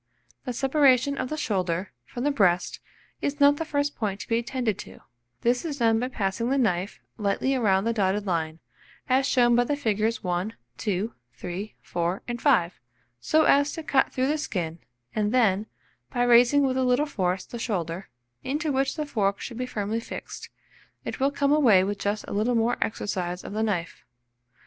The separation of the shoulder from the breast is the first point to be attended to; this is done by passing the knife lightly round the dotted line, as shown by the figures 1, 2, 3, 4, and 5, so as to cut through the skin, and then, by raising with a little force the shoulder, into which the fork should be firmly fixed, it will come away with just a little more exercise of the knife.